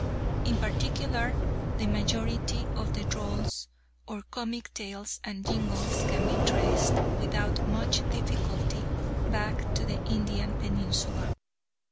In particular, the majority of the Drolls or comic tales and jingles can be traced, without much difficulty, back to the Indian peninsula.